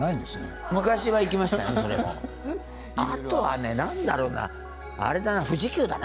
あとは何だろうな？